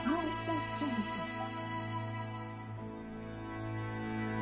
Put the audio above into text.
準備してます。